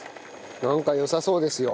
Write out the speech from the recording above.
なんか良さそうですよ。